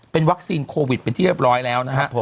เป็นวัคซีนโควิดเป็นที่เรียบร้อยแล้วนะครับ